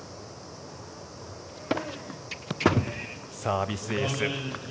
サービスエース。